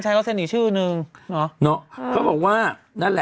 ช้าเปล่าว่ะ